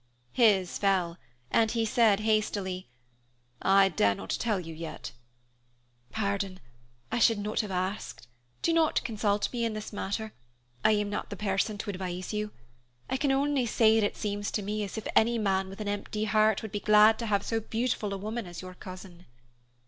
His fell, and he said hastily, "I dare not tell you yet." "Pardon! I should not have asked. Do not consult me in this matter; I am not the person to advise you. I can only say that it seems to me as if any man with an empty heart would be glad to have so beautiful a woman as your cousin."